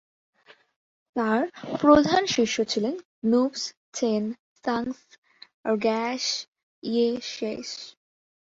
তার প্রধান শিষ্য ছিলেন গ্নুব্স-ছেন-সাংস-র্গ্যাস-য়ে-শেস।